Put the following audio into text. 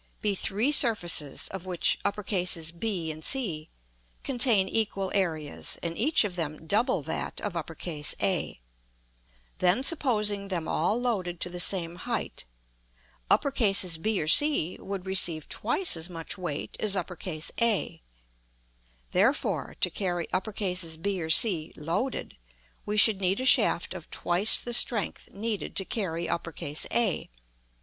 be three surfaces, of which B and C contain equal areas, and each of them double that of A: then supposing them all loaded to the same height, B or C would receive twice as much weight as A; therefore, to carry B or C loaded, we should need a shaft of twice the strength needed to carry A.